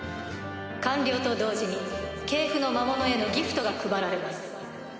完了と同時に系譜の魔物へのギフトが配られます。